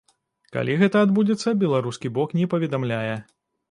Калі гэта адбудзецца, беларускі бок не паведамляе.